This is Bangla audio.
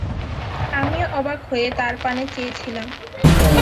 আমিও অবাক হয়ে তাঁর পানে চেয়ে ছিলাম।